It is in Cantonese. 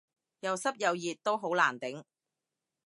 又濕又熱都好難頂